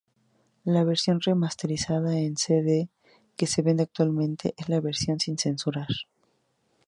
La versión remasterizada en cd que se vende actualmente es la versión sin censurar.